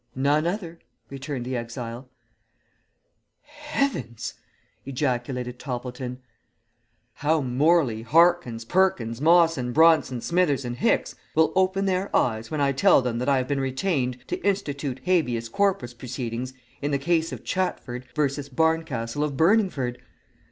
"None other," returned the exile. "Heavens!" ejaculated Toppleton. "How Morley, Harkins, Perkins, Mawson, Bronson, Smithers, and Hicks will open their eyes when I tell them that I have been retained to institute habeas corpus proceedings in the case of Chatford v. Barncastle of Burningford!